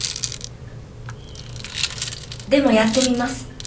でもやってみます。